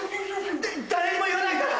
誰にも言わないから！